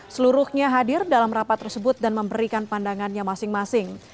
seluruhnya hadir dalam rapat tersebut dan memberikan pandangannya masing masing